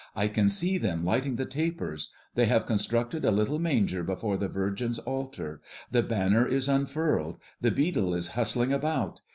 I can see them lighting the tapers; they have constructed a little manger before the Virgin's altar; the banner is unfurled; the beadle is bustling about.